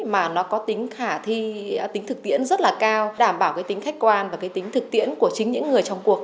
mà nó có tính thực tiễn rất là cao đảm bảo tính khách quan và tính thực tiễn của chính những người trong cuộc